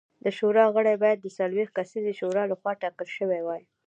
د شورا غړي باید د څلوېښت کسیزې شورا لخوا ټاکل شوي وای